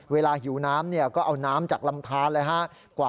หิวน้ำก็เอาน้ำจากลำทานเลยฮะ